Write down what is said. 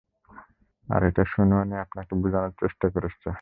আর এটা সুনয়নী আপনাকে বোঝানোর চেষ্টা করেছে।